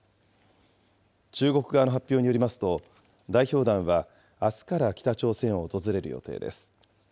中国側の発表によりますと、代表団はあすから北朝鮮を訪れる予定です。